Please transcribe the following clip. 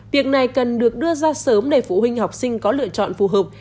việc này cần được đưa ra sớm để phụ huynh học sinh có lựa chọn phù hợp